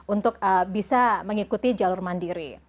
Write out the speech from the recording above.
untuk bisa mengikuti jalur mandiri